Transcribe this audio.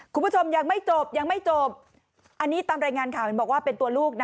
คุณผู้ชมยังไม่จบยังไม่จบอันนี้ตามรายงานข่าวเห็นบอกว่าเป็นตัวลูกนะ